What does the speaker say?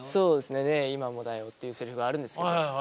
「ねぇ、今もだよ」っていうセリフがあるんですけど。